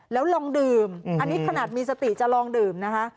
แล้วลองดื่มอันนี้ขนาดมีสติจะลองดื่มนะคะ